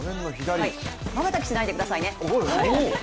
まばたきしないでくださいね。